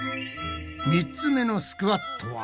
３つ目のスクワットは？